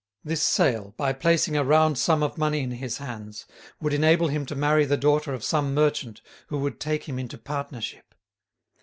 This sale, by placing a round sum of money in his hands, would enable him to marry the daughter of some merchant who would take him into partnership.